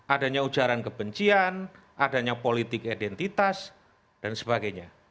adanya ujaran kebencian adanya politik identitas dan sebagainya